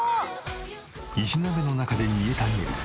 石鍋の中で煮えたぎる。